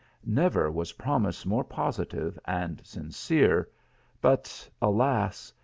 Never was promise more positive and sincere ; but alas